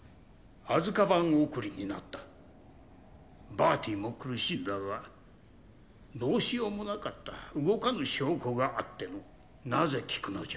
アズカバン送りになったバーティも苦しんだがどうしようもなかった動かぬ証拠があってのなぜ聞くのじゃ？